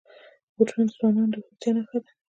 بوټونه د ځوانانو د هوښیارتیا نښه ده.